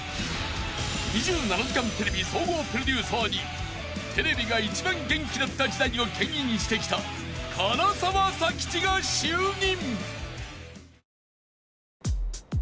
［『２７時間テレビ』総合プロデューサーにテレビが一番元気だった時代をけん引してきた唐沢佐吉が就任］